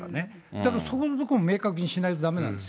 だから、そういうことを明確にしないとだめなんですよ。